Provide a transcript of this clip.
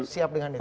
siap dengan itu